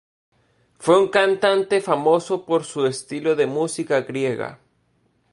Fue un cantante famoso por su estilo de música griega.